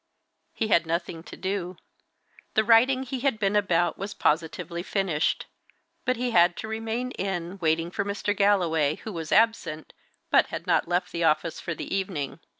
He had nothing to do; the writing he had been about was positively finished; but he had to remain in, waiting for Mr. Galloway, who was absent, but had not left the office for the evening.